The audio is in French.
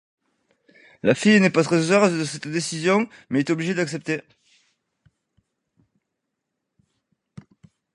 La fille n'est pas très heureuse de cette décision, mais est obligée d'accepter.